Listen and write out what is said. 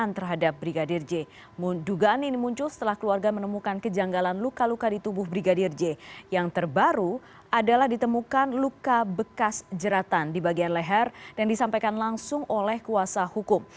terbaru adalah ditemukan luka bekas jeratan di bagian leher dan disampaikan langsung oleh kuasa hukum